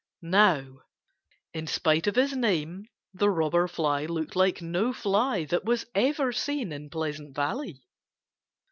Now, in spite of his name the Robber Fly looked like no fly that was ever seen in Pleasant Valley.